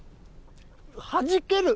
はじける。